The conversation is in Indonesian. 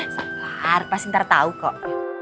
sabar pas ntar tau kok